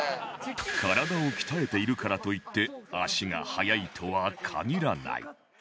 体を鍛えているからといって足が速いとは限らない